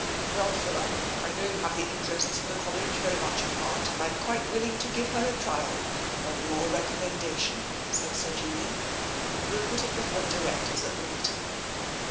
" Well, Fuller, I know you've the interests of the College very much at heart, and I'm quite willing to give her a trial on your recommendation," said Julian. "We'll put it before the directors at the meeting."